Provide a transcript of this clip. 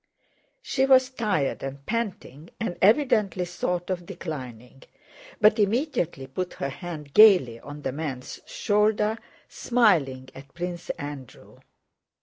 She was tired and panting and evidently thought of declining, but immediately put her hand gaily on the man's shoulder, smiling at Prince Andrew.